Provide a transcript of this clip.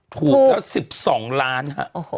ถูกก็๑๒ล้านฮะ